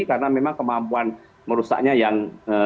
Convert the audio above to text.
karena memang kemampuan merusaknya yang